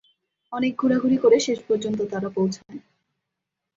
অনেক ঘুরাঘুরি করে শেষপর্যন্ত তারা পৌঁছায়।